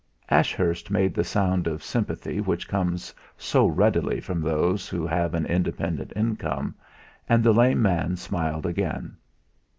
Ashurst made the sound of sympathy which comes so readily from those who have an independent income, and the lame man smiled again.